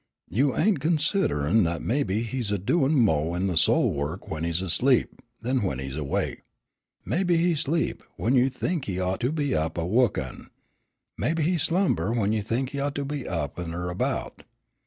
You ain't conside'in' that mebbe he's a doin' mo' in the soul wo'k when he's asleep then when he's awake. Mebbe he sleep, w'en you think he ought to be up a wo'kin'. Mebbe he slumber w'en you think he ought to be up an' erbout.